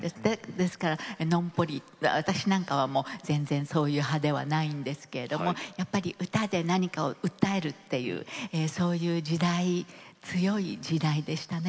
ですから、ノンポリ私なんかは全然、そういう派ではないんですけれどやっぱり歌で何かを訴えるっていうそういう時代、強い時代でしたね。